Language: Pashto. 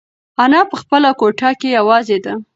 انا په خپله کوټه کې یوازې ده.